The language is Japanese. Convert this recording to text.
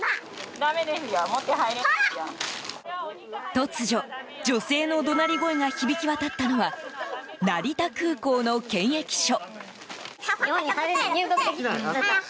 突如、女性の怒鳴り声が響き渡ったのは成田空港の検疫所。